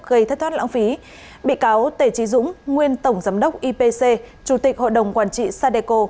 gây thất thoát lãng phí bị cáo tề trí dũng nguyên tổng giám đốc ipc chủ tịch hội đồng quản trị sadeco